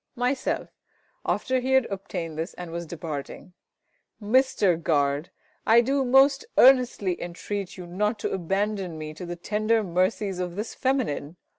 Myself (after he had obtained this and was departing). Mister Guard, I do most earnestly entreat you not to abandon me to the tender mercies of this feminine.